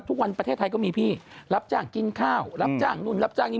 ประเทศไทยก็มีพี่รับจ้างกินข้าวรับจ้างนู่นรับจ้างนี่